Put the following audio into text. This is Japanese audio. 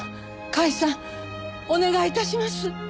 甲斐さんお願い致します。